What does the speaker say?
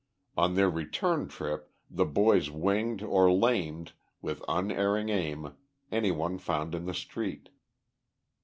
On their return trip the boys winged or lamed, with unerring aim, any one found in the street.